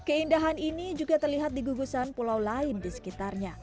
keindahan ini juga terlihat di gugusan pulau lain di sekitarnya